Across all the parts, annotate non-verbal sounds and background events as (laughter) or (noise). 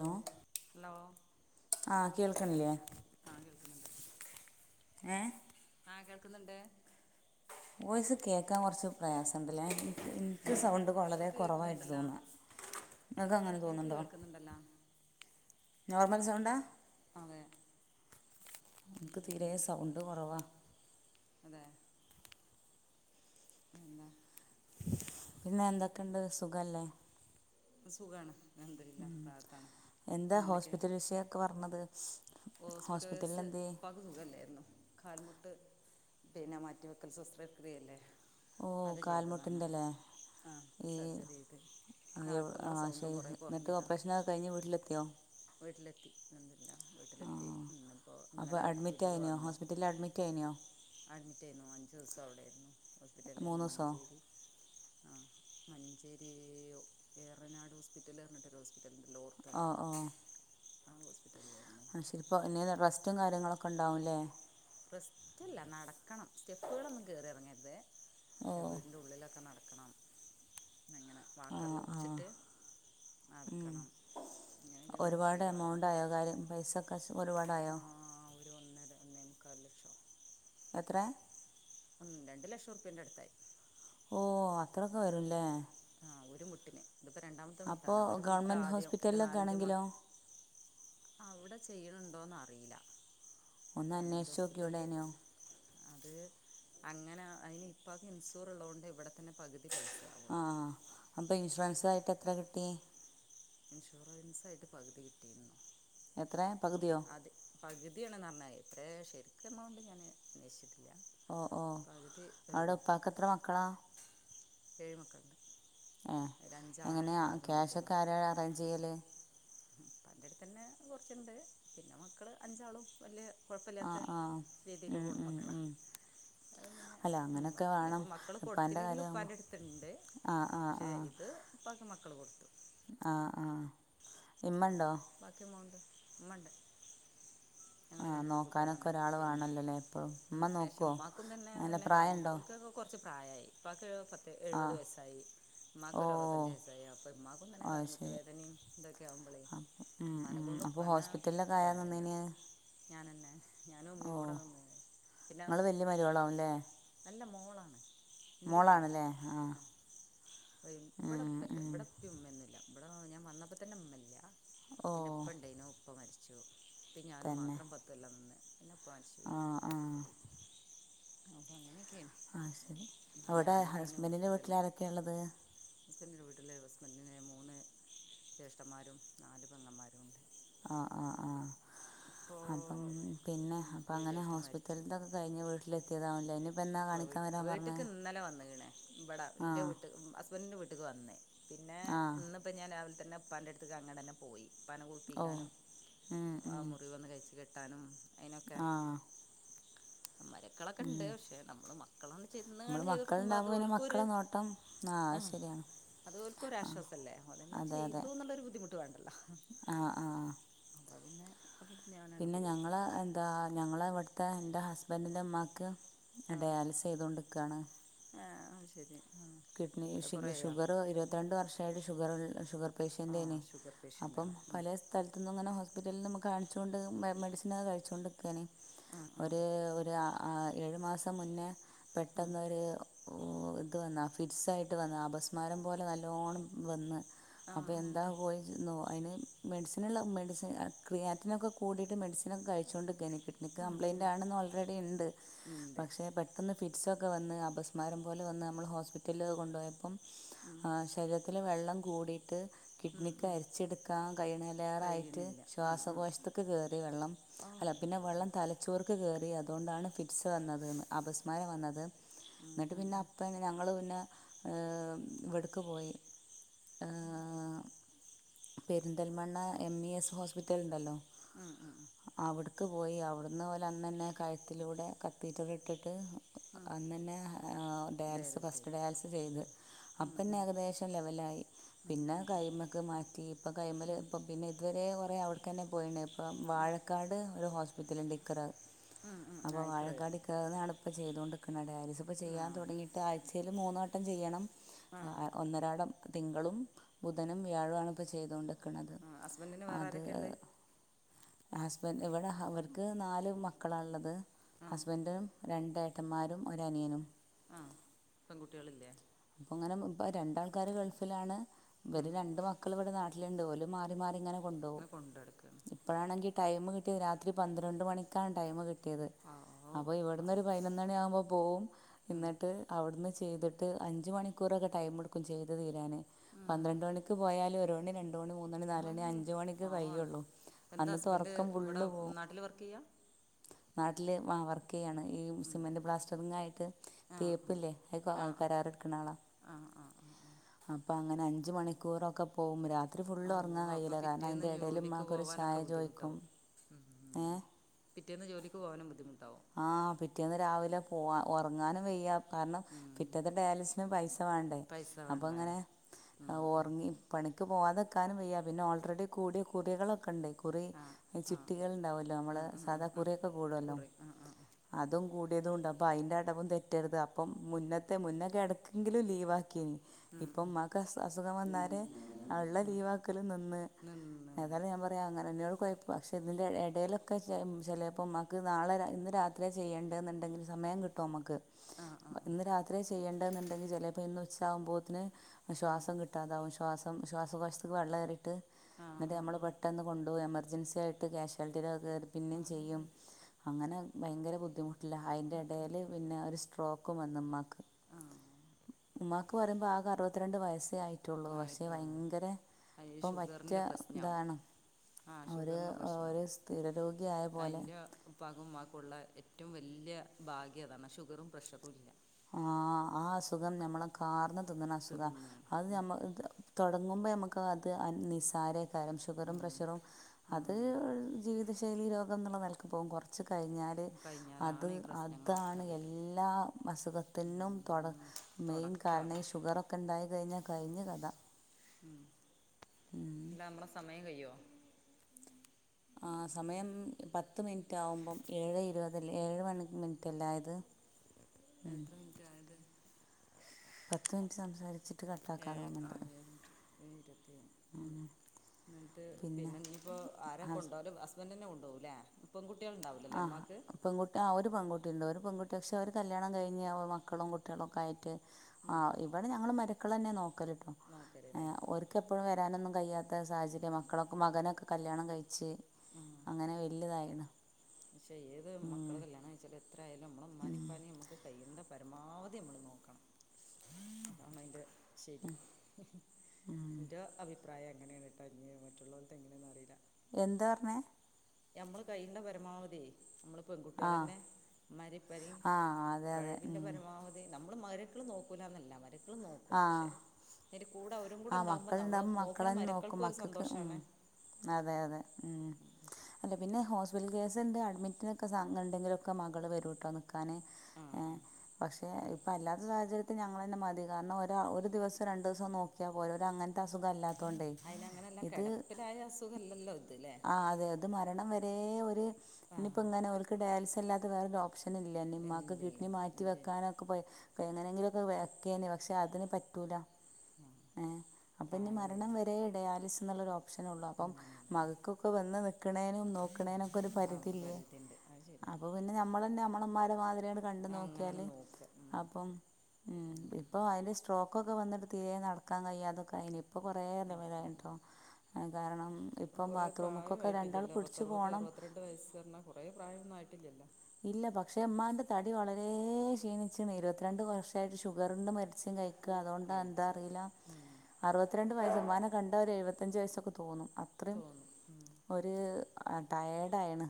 Law hello ആഹ് കേൾക്കണില്ലേ ആ കേൾക്കുന്നുണ്ട് ഏ ക്കുന്നുണ്ടേ ബോയ്സ് കേൾക്കാൻ കുറച്ച് പ്രയാസമുണ്ടല്ലേ നിക്ക് സൗണ്ട് വളരെ എനിക്ക് കുറവായിട്ട് കേൾക്കുന്നുണ്ടല്ലോ തോന്നുന്ന നിങ്ങൾക്ക് അങ്ങനെ എനിക്ക് തോന്നുന്നുണ്ടോ (unintelligible) നോർമൽ സൗണ്ടാ അതെ എനിക്ക് തീരെ സൗണ്ട് കൊറവാ അതെ അന്ത പിന്നെ എന്തൊക്കെയുണ്ട് സുഖല്ലേ സുഖാണ് ഉം എന്താ എന്തൊക്കെയാ ഹോസ്പിറ്റൽ വിഷയൊക്കെ പറഞ്ഞത് ഹോസ്പിറ്റൽ ഹോസ്പിറ്റലിൽ കേസ് എന്തേ ഉപ്പാക്ക് സുഖല്ലായിരുന്നു കാൽമുട്ട് പിനെ മാറ്റി വെക്കൽ ശാസ്ത്രക്രിയയില്ലേ ഓ കാൽമുട്ടിന്റെല്ലേ ആ സർജറി ചെയ്ത് ആ ഇപ്പം ആ നിങ്ങളെ സൗണ്ടും ചെയ്ത് കുറേ എന്നിട്ട് കുറഞ്ഞിട്ടാ ഓപ്പറേഷനൊക്കെ കഴിഞ്ഞ് വീട്ടിലെത്തിയോ വീട്ടിലെത്തി അൽഹംദുലില്ലാ ആ വീട്ടിലെത്തി ഇന്നിപ്പോൾ അപ്പൊ ഇന്നലെ അഡ്മിറ്റ് വീട്ടിൽ ആയിനോ വന്നു ഹോസ്പിറ്റലിൽ അഡ്മിറ്റ് ആയിന അഡ്മിറ്റ് ചെയ്താരുന്നു അഞ്ചു ദിവസം അവിടൊയിരുന്നു ഹോസ്പിറ്റലി ആരുന്നു മൂന്ന് ദിവസമോ മഞ്ചേരി ആ മഞ്ചേരി ഏറനാട് ഹോസ്പിറ്റൽ എന്നൊരു ഹോസ്പിറ്റൽ ഓ ഓ ആഹ് ഹോസ്പിറ്റല ആ ശരിപ്പോ ഇനി റെസ്റ്റും കാര്യങ്ങളൊക്കെ ഉണ്ടാവുംല്ലേ റെസ്റ്റില്ല നടക്കണം സ്റ്റെപ്പുകളൊന്നും കേറി ഇറങ്ങരുത് ഓ പക്ഷേ വീടിൻറെ ഉള്ളിലൊക്കെ നടക്കണം അങ്ങനെ വാക്കറിൽ പിടിച്ചിട്ട് ഉം നടക്കണം ഇങ്ങനെയൊക്കെയുണ്ട് പക്ഷേ ഒരുപാട് കാലിന് എമൗണ്ടയോ കാര്യം പൈസ കാശ് ആ, ഒരുപാടായോ ഒരു ഒന്നര (unintelligible) എത്ര ഉ രണ്ടു ലക്ഷം രൂപയുടെ അടുത്തായി ഓ അത്രൊക്കെ വരുംഅല്ലേ ആ ഒരു മുട്ടിന് ഇതിപ്പോ രണ്ടാമത്തെ അപ്പോൾ മുട്ടാണ് ഒരു മുട്ട് ഗവൺമെൻറ് ആദ്യം ഒരു ഹോസ്പിറ്റലിലൊക്കെ നാലഞ്ച്മാസം ആണെങ്കിലോ മുന്നേ ആയിരുന്നു ചെയ്യുന്നുണ്ടോ എന്ന് അറിയൂല ഒന്ന് അന്വേഷിച്ച് നോക്കിക്കൂടായിരുന്നോ അത് അങ്ങന അതിന് ഉപ്പാക്ക് ഇൻഷൂറൻസ് ഉള്ളത് കൊണ്ട് ഇവിടെ തന്നെ പകുതി പൈസ ആകുകയൊള്ളു പൈസയാവുള്ളു അപ്പ ഇൻഷുറൻസ ആായിട്ട് എത്ര കിട്ടിയത് ഇൻഷുറൻസ് ആയിട്ട് പകുതി കിട്ടിയിട്ടുണ്ട് എത്ര പകുതിയോ അത് പകുതിയാണെന്ന് പറഞ്ഞത് എത്രയണ് ശരിക്കും ഞാൻ അന്വേഷിചില്ല ഓ ഓ അവിടെ ഉപ്പാക്ക് എത്ര മക്കൾ ആണ് എഴ്മക്കളുണ്ട് ഏ എങ്ങനെയാ ക്യാഷ് ഒക്കെ ആരെണ് അറേഞ്ച് ചെയ്യൽ ഉപ്പാന്റെ അടുത്ത് തന്നെ കുറച്ചുണ്ട് പിന്നെ മക്കള് അഞ്ചാളും വലിയ ആ കുഴപ്പമില്ലാത്ത ആ ഉം, രീതിയിൽപോകുന്ന ഉം, മക്കളാണ് ഉം. അത് പിന്നെ അല്ല അങ്ങനെയൊക്കെ വേണം ഇനിയിപ്പോ മക്കൾ ഉപ്പാൻ്റെ കൊടുത്തില്ലെങ്കിലും കാര്യമാകുമ്പോൾ ഉപ്പാന്റെ എടുത്തുണ്ട് ആഹ് ആഹ് പക്ഷെ ഇത് ഇത് ഉപ്പാക്ക്മക്കൾ കൊടുത്തു ആഹ ആഹ കൊടുത്തു. ഉമ്മണ്ടോ ബാക്കി ഉമ്മ ഉണ്ട് ഉമ്മ ഒണ്ട് ഞങ്ങള്ൾ ആഹ് രണ്ടു നോക്കാനൊക്കെ പെൺകുട്ടികൾആണ് ഒരാൾ പിന്നെ വേണല്ലോല്ലേ എപ്പോഴും ഉമ്മ നോക്കുവോ പക്ഷെഉമ്മാക്കും തന്നെ നല്ല തന്നെ പ്രായമുണ്ടോ കാൽമുട്ടൾക്കൊക്കെ കുറ കുറച്ച് പ്രായമായി ഉപ്പാക്കൊരു പത്ത് എഴുപത് ആഹ് വയസ്സായി ഉമ്മാക്ക് ഓ ഒരു അറുപത്തഞ്ച് വയസായി അപ്പോ ഉമാക്കും തന്നെ അത് കാൽമുട്ട ശരി വേദനയും ഇൊ ഒക്കെ ആവുമ്പളേ അപ്പം ഇമ്മനെകൊണ്ടും അപ്പോൾ ഉപ്പാനെ ഹോസ്പിറ്റലിലൊക്കെ ആയാൽ നിന്നേന് വേണ്ടത് ഞാനന്നെ ഞാനും ഓ ഉമ്മിം കൂടെ നിന്ന് പിന്നെ നിങ്ങൾ വലിയ മരുമോളാവുംല്ലേ അല്ല മോൾ എന്റെ ഉപ്പ മോളാണല്ലേ ആഹ് യുണ്ട് ഇവിടെ ഉപ്പയും ഉമ്മയും ഇല്ല ഇവിടെ ഞാൻ വന്നപ്പോ തന്നെ ഉമ്മല്ല ഓ പിന്നെ ഇപ്പ ഉണ്ടായിരുന്നു ഉപ്പ മരിച്ചു ഇപ്പ ഞാനും മാത്രം പത്തൊല്ലം നിന്ന് പിന്നെ മരിച്ചു ആ പോയി ആ (unintelligible) ആ ശരി അപ്പോൾ അവിടെ ഞാൻ തന്നെയാണ് ഹസ്ബന്റിന്റെ വീട്ടിൽ ആരൊക്കെയ ഉള്ളത് ഹസ്ബൻഡൻ്റെ വീട്ടില് ഹസ്ബൻഡിന് മൂന്ന് ജ്യേഷ്ഠന്മാരും നാല് പെങ്ങമ്മാരുണ്ട് ആ ആ ആ ഇപ്പോൾ അപ്പം പിന്നെ അപ്പ ഒരു അങ്ങനെ ജ്യേഷ്ഠൻ മരിച്ചു ഹോസ്പിറ്റൽത്തൊക്കെ കഴിഞ്ഞ് വീട്ടില് എത്തിയതാവുല്ലേ ഇപ്പൊ വീട്ട്ക്ക് ഇന്നലെ വന്ന്ക്കണ് ഇവടാ ആ ന്റെ വീട്ട്ക്കു ഇപ്പോൾ ഹസ്ബൻഡിന്റെ വീട്ട്ക്ക് വന്നു പിന്നെ ആ ഇന്നിപ്പം ഞാൻ രാവിലെ തന്നെ ഉ പ്പാന്റെ അടുത്തേക്ക് തന്നെ പോയി ഉ പ്പാനെ ഓ കുളിപ്പിക്കാനും ഉം, ആ ഉം, മുറിവൊന്ന് കയിച്ച് കെട്ടാനും അതിനൊക്കെ ആ മരുമക്കൾ ഒക്കെ ഉണ്ട് ഉം. പക്ഷേ മക്കളും നമ്മൾ ചെന്ന് ചെയ്ത് കൊടുക്കുമ്പോ അത് മക്കളുണ്ടാകുമ്പോൾ പിന്നെ ഓൽക്കൊരു മക്കളെ നോട്ടം ആ അത് ശരിയാണ് അത് ഓൽക്കൊരു ആ ആശ്വാസ മല്ലേ അതന്നെ ഓല് തന്നെ അതെ അതെ ചെയ്തുഎന്നാരു ബുദ്ധിമുട്ട് വേണ്ടല്ലോ ആ ആ വേണ്ടല്ലോ പിന്നെ ഞങ്ങള് എന്താ ഞങ്ങള ഇവിടുത്തെ എന്റെ ഹസ്ബന്റിന്റെ ഇമ്മാക്ക് ഡയാലീസ് ചെയ്തോണ്ടിക്കാണ് ആ ആ ശരി ആഹ് കിഡ്നി അത് കുറേയായോ ഷുഗർ ഇരുപത്തിരണ്ട് വർഷായിട്ട് ഷുഗർ ആഹ് പേഷ്യന്റേആണ് ഷുഗർ അപ്പോൾ പേഷ്യൻ്റാണ് ഉം പല സ്ഥലത്തുന്നും ഇങ്ങനെ ഹോസ്പിറ്റൽന്ന് കാണിച്ചുകൊണ്ട് മെഡിസിനൊക്കെ കഴിച്ചോണ്ടിക്കാണ് ആഹ് ഒരു ആഹ് ഏഴു മാസം മുന്നേ പെട്ടെന്നൊരു ഇതു വന്നതാണ് ഫിറ്റ്സ് ആയിട്ട് വന്നതാ അപസ്മാരം പോലെ നല്ലോണ്ണം വന്ന് അപ്പോൾ ആഹ് ആഹ് ആഹ് എന്താകും എന്ന് പോയി അയിന് മെഡിസിനുള്ള മെഡിസിൻ ക്രിയാറ്റിനൊക്കെ കൂടിയിട്ട് മെഡിസിന് ഒക്കെ കഴിച്ചുകൊണ്ട്ക്കേനി കിഡ്നിക്ക് ഉം ഉം കംപ്ലൈന്റാണെന്ന് ഓൾറെഡി ഇണ്ട് ഉണ്ട് പക്ഷെ പെട്ടെന്ന് ഫിറ്റ്സ് സൊക്കെ വന്ന് അപസ്മാരം പോലെ വന്ന് അമ്മള് ഹോസ്പിറ്റലിലൊക്കെ കൊണ്ടോയപ്പോ ഉം ശരീരത്തി വെള്ളം കൂടിയിട്ട് ട്ട് ഉം കിഡ്നിക്ക് ഉം അരിച്ചെടുക്കാം കയണേലേറായിട്ട് കഴിയണില്ല ആഹ് ആഹ് ശ്വാസകോശത്ത്ക്ക് കേറി വെള്ളം ഔ അല്ല പിന്നെ ൻ്റെ വെള്ളം തലച്ചോർക്ക് കേറി അതോണ്ടാണ് ഫിറ്റ്സ് വന്നത് ന്ന് അപസ്മാരം വന്നത് ഉം ന്നിട്ട് ഉം പിന്നെ ഉം അപ്പൊ ഞങ്ങള് ഏ ഇവ്ട്ക്ക് പോയി ഏ പെരിന്തൽമണ്ണ എമ്മീഎസ് ഹോസ്പിറ്റല്ണ്ടല്ലോ ഉം ക്ക് പോയി അവിടുന്ന് ഓല് അന്നന്നെ കഴ്‌ത്തിലൂടെ കത്തീറ്ററ്ട്ടിട്ട് ഉം അന്നന്നെ ഡയാലിസ് ഡയറി ഫസ്റ്റ് സൈഡ് ഡയാലിസിസ്യ്ത് ഉം അപ്പന്നെ ഉം ഏകദേശം ലെവലായി ഉം പിന്നെ ഉം കൈമക്ക് മാറ്റി ഇപ്പൊ കൈ്മല് ഉം ഇപ്പൊ പിന്നെ ഇതുവരെ കുറേ അവിടെക്കന്നെ പോയിണ്ട് ഇപ്പം വാഴക്കാട് ഒരു ഹോസ്പിറ്റലിണ്ട് ഇക്ക ഉം ഉം (unintelligible) അപ്പൊ നായ്ക്കറ് വാഴക്കാട് (unintelligible) ഇപ്പ ചെയ്തോണ്ടിക്കണത് ഡയാലീസ് ഇപ്പ ആ ചെയ്യാൻ തുടങ്ങിട്ട് ആയ്ച്ചേല് മൂന്നട്ടം ചെയ്യണം ആ ഒന്നരാടം തിങ്കളും ബുധനും വ്യാഴാണ് ഇപ്പോ ചെയ്ത് (unintelligible) ക്കണത് ആ ഹസ്ബൻഡിന് വേറെ അത് ആരൊക്കെയ ഉള്ളത് ഹസ്ബന്റ് ഇവിടെ അവർക്ക് നാല് മക്കളാള്ളത് ആ ഹസ്ബന്റ് (unintelligible) ഏട്ടമ്മാരും ഒരനിയനും ആ പെൺകുട്ടികളി (inaudible) പ്പൊങ്ങനെ ഇ രണ്ടാൾക്കാര് ഗൾഫിലാണ് ഉം ഇവര് രണ്ട് മക്കളിവിടെ നാട്ടില് ലുണ്ട് ഓല് മാറി മാറിങ്ങനെ കൊണ്ടോവും അങ്ങനെ കൊണ്ട് നടക്കാണ് ഇപ്പഴാണേങ്കി ടൈമ് കിട്ടിയത് രാത്രി പന്ത്രണ്ട് മണിക്കാണ് ടൈമ് കിട്ടി യത് ആ ഔ അപ്പോ ഇവിടുന്നൊര് പാവം പൈനൊന്നണി ആമ്പോ പോകും ഉം എന്നിട്ട് അവിടുന്ന് ചെയ്തിട്ട് അഞ്ച് മണിക്കൂറൊക്കെ ടൈമെടുക്കും ചെയ്ത് തീരാനെ ഉം പന്ത്രണ്ട് മണിക്ക് പോയാൽ ഒരണി രണ്ട് രണ്ട മണി മൂന്നണി ഔ നാലണി അഞ്ച് മണിക്ക് പാവാണ് കയ്യുള്ളൂ എന്താ ഹസ്ബന്ഡ് ഇവിടെ നാട്ടില് വർക്കെയ്യാ നാട്ടിൽ ആ വർക്കെയാണ് ഈ സിമൻറ് ബ്ലാസ്റ്ററിങ്ങായിട്ട് ആ തേപ്പില്ലേ അത് ആ ആ കരാറെട്ക്കണ ആളാ ആ ആ ആ ആ അപ്പങ്ങനെ അഞ്ച് മണിക്കൂറൊക്കെ പോ മ്പം രാ ത്രി ഫുള്ള് ഔ ഒറങ്ങാൻ അപ്പോൾ കയ്യൂല കാരണം പിറ്റേന്ന് അയിന്റെ എടേൽ ജോലിക്ക് മ്മാക്കൊരു ചായ പോകാനൊക്കെ ചോയ്ക്കും ബുദ്ധിമുട്ടാവും ഉം എ പിറ്റേന്ന് ജോലിക്ക് പോകാനും ബുദ്ധിമുട്ടാവോ പിറ്റേന്ന് രാവിലെ പോവാ ഒറങ്ങാനും വെയ്യ കാരണം പിറ്റാത്ത ഡയാലിസ്ന് പൈസ വാണ്ടേ പൈസ വേണ്ടേ അപ്പോങ്ങനെ ഉം ഉം ഓറങ്ങി പണി പോകതെക്കാനും വയ്യ പിന്നെ ഓൾറെഡി കൂടിയ കുറികളൊക്കെണ്ടായിക്കും കുറി ആഹ് ആഹ് ചിട്ടികൾണ്ടാവല്ലോ നമ്മൾ ഉം ഉം ഉം സാധാ ഉം കുറിയൊക്കെ കൂടുവല്ലോ കുറി ആഹ് ആഹ് അതും കൂടിയതുണ്ട് അപ്പോ അയ്ൻ്റടവും തെറ്റരുത് അപ്പം മുന്നത്തെ മുന്നൊക്കെ ഇടക്കെങ്കിലും ലീവാക്കിനി ഉം ഉം ഇപ്പൊമ്മാക്ക് അസ് അസുഖം വന്നാല് ള്ള ലീവാക്കല് നിന്ന് നിന്ന് ഏതാലും ഞാൻ പറയാ അങ്ങനെ കൊയപ്പാ ക്ഷെ ഇതിന്റെഎ എടയിലൊക്കെ ചെലേപ്പോമ്മാക്ക് നാളെ ഇന്ന് രാത്രിയ ചെയ്യേണ്ടെന്നുണ്ടെങ്കിൽ സമേം കിട്ടുവമ്മക്ക് ആഹ് ആഹ് ഇന്ന് രാത് ത്ര്യ ചെയ്യേണ്ടുന്നുണ്ടെങ്കിൽ ചെലപ്പോ ഇന്നുച്ചാമ്പോത്തിന് ആഹ് ശ്വാസം കിട്ടാതാവും ശ്വാസം ശ്വാസകോശത്ത്ക്ക് വെള്ളേറിട്ട് ആഹ് എന്നിട്ട് നമ്മൾ ആഹ് പെട്ടെന്ന് കൊണ്ട് അ എമർജൻസി ആയിട്ട് കാഷ്വാലിറ്റിലക്കേറി പിന്നെം ആഹ് ചെയ്യും ആഹ് അങ്ങനെ ഭയങ്കര ബുദ്ധിമുട്ട് ല അത് അയ്ന്റെടേല് പിന്ന ഒരു സ്ട്രോക്കും വന്ന്മ്മാക്ക് ആഹ് ഉമ്മാക്ക് പറയുമ്പോ ആകെ അറുപത്തി രണ്ട് വയസ്സേ ആയി റ്റുള്ളൂ പക്ഷേ ആയിട്ടുള്ളൂ ഭയങ്കര പ്പം പറ്റ ഇതാണ് ആ ഒരു ഷുഗറിൻ്റെ പ്രശ്നോ ഒരു സ്ഥിരരോഗിയായ പോലെ അന്റെ പ്പാക്കും മ്മാക്കുണ്ട് ഏറ്റവും വല്യ ഭാഗ്യതാണ് ഷുഗറും പ്രഷറും ഇല്ല ആ ആ അസുഖം ഞമ്മളെ കാർന്ന് തിന്ന്ണ അസുഖാ തിന്നാണ് അത് ഉം ഞമ്മ ങ്ങുമ്പ ഞമ്മക്കത് നിസാരേകാരം ഷുഗറും പ്രഷറും അത് ഉം ജീവിത ശൈലി രോഗം ന്നുള്ള നിലക്ക്പ്പോ കുറച്ച് കഴിഞ്ഞാൽ ഉം അത് കഴിഞ്ഞാലാണ് ഈ പ്രശ്നങ്ങളൊക്കെ അതാണ് വരാ എല്ലാ അസുഖത്തിനും ഉം തൊടമെയിൻ കാരണ തുടക്കാതാ ഈ ഷുഗറൊക്കെ ഉണ്ടായി കഴിഞ്ഞാൽ കഴിഞ്ഞ്കഥ ഇല്ലാ നമ്മളെ സമയം കയോ ആ സമയം പത്ത് മിനിറ്റ് ആവുമ്പം ഏഴ് ഇരുപത് ല്ലെ ഏഴ് മിനിറ്റല്ലായത് ഉം എത്ര മിനിറ്റ് ആയത് പത്ത് മിനിറ്റ് സംസാരിക്ക ഏഴ് ആഹ് ഏഴ ഇരുപത്തി എന്നിട്ട് പിന്നെ നീയിപ്പോ ആര ഹസ് കൊണ്ടോകല് ഹസ്ബൻഡന്നെ കൊണ്ടോവും ല്ലേ പെങ്കു ആഹ് പെൺകുട്ടി ആ ഒരു പെൺകുട്ടിണ്ട് ഒരു പെൺകുട്ടി പക്ഷെ അവര് കല്യാണം കഴിഞ് മക്കളും കുട്ടികളൊക്കെ ആയിട്ട് ആ ഉം ഇവിടെ ഞങ്ങള് മരു മക്കളെന്നെ നോക്കൽട്ടോ നോക്കലല്ലേ ഓർക്കെപ്പോഴും വരാനൊന്നും കയാത്ത അ സാഹചര്യം മക്കളൊക്കെ മകനൊക്കെ കല്യാണം കഴിച്ച് അങ്ങനെ വലിയതായിണ് പക്ഷെ ഏത് മക്കൾ കല്യാണം കഴിച്ചാലും എത്രായാലും നമ്മളെ മ്മനിം പാനിം നമ്മക്ക് പരമാവധി നമ്മള് നോക്കണം അതാണ് ശരി ൻ്റെ അഭിപ്രായം അങ്ങനേണ് ട്ടോ ഞ്ഞ് മറ്റുള്ളോൽത് എങ്ങനെ അറീല്ല എന്താ പറഞ്ഞേ നമ്മള് കഴിവിന്റെ പരമാവധി - - നമ്മള് ആ പെൺകുട്ട്യാളെന്നെ മ്മാരിം പ്പാരിം ആ അതെ അതെ കഴിവിൻ്റെ ഉം. പരമാവധി നമ്മൾ മറി മര്യക്കള് നോക്കുലന്നല്ല മരിക്കള് നോക്കും ക്ഷേ ആ കൂടെ അവരും ആ കൂടെ ഉണ്ടാവുമ്പോ നമ്മൾ മക്കളുണ്ടാകുമ്പോൾ മക്കളെ നോക്കണ തന്നെ നോക്കും മരക്കൾക്കും ഒരു മക്കൾക്ക് ഉം. സന്തോഷണ് അതെ അതെ ഉം. (inaudible) അല്ല പിന്നെ ഹോസ്പിറ്റൽ കേസ് ഉണ്ട് അഡ്മിറ്റിനൊക്കെ സ ഉണ്ടെങ്കിലുംക്കെ മകൾ വരുട്ടോ നിൽക്കാൻ ആ ആ പക്ഷെ ഇപ്പ അല്ലാത്ത സാഹചര്യത്തിൽ ഞങ്ങൾ തന്നെ മതി കാരണം ഒ ഒരു ദിവസം രണ്ടു ദിവസം നോക്കി ഓര അങ്ങനത്തെ അസുഖമല്ല തൊണ്ടേ അതിനങ്ങനെയല്ല ഇത് കിടപ്പിലായ അസുഖമല്ലല്ലോ ഇത് അല്ലേ ഇത് മരണം വരെ ഒരേ ആ ഇനിപ്പോ ഇങ്ങനെ അവക്ക് ഡയാലിസ അല്ലാത്ത വേരെ ഭക്ഷണം ഇല്ല നിമ്മാക്ക് കിട്ടണി ഇല്ലല്ലോ മാറ്റി അത് ശരി വെക്കാനൊക്കെ പൊ അപ്പ എങ്ങനെങ്കിലുംക്കെ വക്കെന്നെ പക്ഷെ അതിന് പറ്റൂല അപ്പൊ ഇനി പ്രായമായി മരണം വരെ ഡയലിസ് എന്നുള്ള ഒര് ഓ - ള്ള അപ്പം ഉം, ആ ഉള്ളു. മകക്കൊക്കെ വന്ന് നിക്ണെ നും നോക്കണെനും ആ പരിധില്യേ പരിധിയുണ്ട് അത് ശരി അപ്പൊ പിന്നെ നമ്മലെന്നെ തന്നെ നമ്മളമ്മാരെ മായിരി കണ്ട് നോക്കിയാൽ അങ്ങനെയാണ് നോക്കുക ഉം. അപ്പം എം (unintelligible) സ്ട്രോക്കൊക്കെ വന്നിട്ട് തിരെ നടക്കാൻ കയിയാതൊക്കെ അയിനി ഇപ്പോൾ കുറേ ലെവലായി ണ് ട്ടോ കാരണം ം ഇപ്പം കൊറെ പ്രായ ബാത്റൂമ്ക്കൊക്കെ രണ്ടാൾ ആട്ടില്ലല്ലോ പത്ത പിടിച്ച് അറുപത്തി പോകണം അറുപത്തിരണ്ട് വയസ്സ് പറഞ്ഞാ കൊറെേ പ്രായന്നും ആയിട്ടില്ലല്ലോ ഇല്ല പക്ഷെ അമ്മാന്റെ തടി വളരെ ക്ഷീണിച്ചി ഇരുപത്തിരണ്ട് വർഷയിട്ട് ഷുഗർണ്ട് മെഡിസിൻ കഴ അതുകൊണ്ട് എന്താ കഴിച്ചിട്ട് അറിയില്ല ഉം അറുപത്തിരണ്ട് വയസ്സ് ഉമാനെ കണ്ട ഒരു എഴുപത്തഞ്ച് വയസ്സൊക്കെ തോന്നും തോന്നും ഉ ആ ടയർഡയാണ്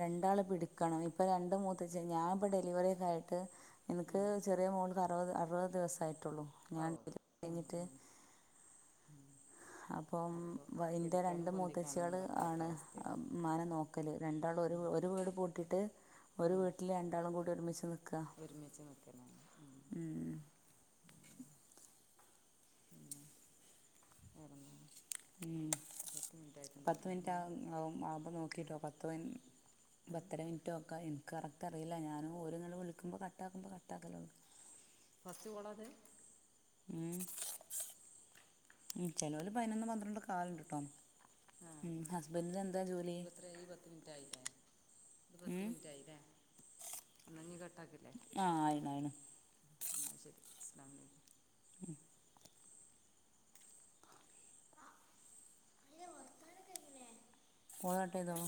രണ്ടാള് പിടിക്കണം ഇപ്പം രണ്ട മൂത്തച്ച ഞാാനിപ്പോൾ ഡെലിവറിയക്കായിട്ട് എനിക്ക് ഉം ചെറിയ മോ അറുപത് അറുപത് ദിവസമായിട്ട് ട്ടൊള്ളു ഞാൻ ആവും ഉം കഴിഞ്ഞിട്ട് ഉം ഉം അപ്പം അപ്പോൾ ഇൻ്റെ പിടിക്കാനും രണ്ട് മൂത്തച്ചികൾ പൊന്തിക്കാനൊന്നും പറ്റാത്ത ആണ് അവസ്ഥയാണ് മന നോക്കല് രണ്ടാൾ ഒരു ഉം ഒരു വീട് പൂട്ടിയിട്ട് ഒരു ഉം വീട്ടിൽ രണ്ടാളും കൂടി ഒരുമിച്ച് നിൽക്കും ഒരുമിച്ച് നൽക്കണ ഉം ഉ എരുന്നു ഉ പത്ത് മിനിറ്റ് നമ്മൾ ആവു ആവും ആുമ്പോൾ നോക്കിട്ടോ പത്ത് മി പത്തര മിനിറ്റോ ഒക്കെ എ കറക്റ്റ് അറിയില്ല ഞാനും ഓോന്നില വിളിക്കുമ്പോൾ കട്ട് ആാക്കുമ്പോൾ കട്ട്ക്കല്ലോ ഫസ്റ്റ് കോലാത് ഉ ഉ ചിലര് പതിനൊന്ന് പന്ത്രണ്ടക്കെ കാലുണ്ട് കേട്ടോ ആ ഉ ആ ഹസ്ബൻഡന് എന്താ ജോലി ഇതിപ്പോൾ എത്ര ഈ പത്ത് മിനിറ്റ് ആയില്ലേ ഇത് പത്ത് ഉം മിനിറ്റ്യല്ലേ. എന്നാ നീ കട്ട ആക്കല്ലേ ആ ആയിണ് ആയിണ് എന്നാ ശരി അസ്‌ലം അലൈകും. ഉ അതിന്റെ വർത്താനൊക്കെ എങ്ങനെയാ കുള ഏ? കട്ടേയ്തോളൂ